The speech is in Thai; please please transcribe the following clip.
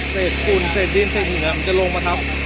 เศษกุ่นเศษดินเศษเหงือมันจะลงมาครับ